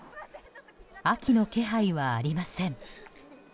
秋の気配はありません。